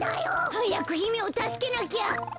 はやくひめをたすけなきゃ。